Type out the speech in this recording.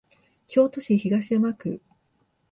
京都市東山区